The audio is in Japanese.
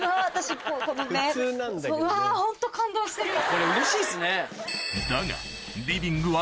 これうれしいですね。